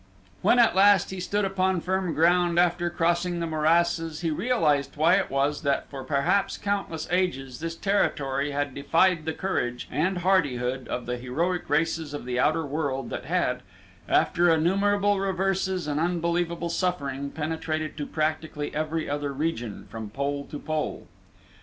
When at last he stood upon firm ground after crossing the morasses he realized why it was that for perhaps countless ages this territory had defied the courage and hardihood of the heroic races of the outer world that had, after innumerable reverses and unbelievable suffering penetrated to practically every other region, from pole to pole.